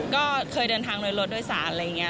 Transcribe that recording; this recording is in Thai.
ก็เคยเดินทางโดยรถโดยสารอะไรอย่างนี้